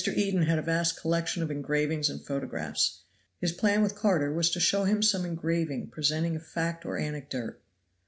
Eden had a vast collection of engravings and photographs. His plan with Carter was to show him some engraving presenting a fact or anecdote.